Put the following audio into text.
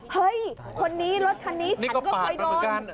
เฮ้ยคนนี้รถคันนี้ฉันก็เคยโดน